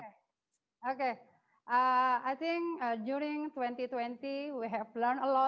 dalam tahun dua ribu dua puluh kita telah belajar banyak